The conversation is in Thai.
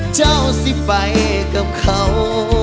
เจ้าสิไปกับเขา